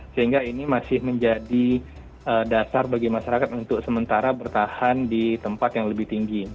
sehingga ini masih menjadi dasar bagi masyarakat untuk sementara bertahan di tempat yang lebih tinggi